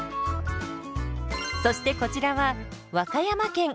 そしてこちらは和歌山県。